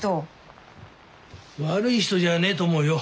悪い人じゃねえと思うよ。